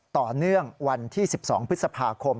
ต่อเนื่องวันที่๑๒พฤษภาคม